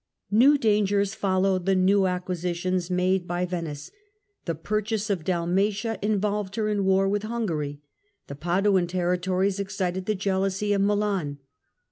New dangers followed the new acquisitions made by Venice. The purchase of Dalmatia involved her in war War with ... Hungary with Hungary ; the Paduan territories excited the jealousy of Milan.